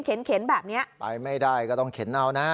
เข็นแบบนี้ไปไม่ได้ก็ต้องเข็นเอานะ